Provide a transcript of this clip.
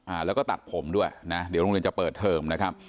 อ่าแล้วก็ตัดผมด้วยนะเดี๋ยวโรงเรียนจะเปิดเทอมนะครับ